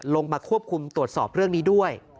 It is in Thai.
ลงมาควบคุมตรวจสอบเรื่องนี้ด้วย